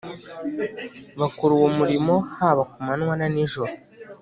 bakora uwo murimo haba kumanywa na nijoro